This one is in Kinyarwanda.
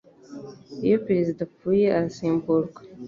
iyo perezida apfuye arasimburwa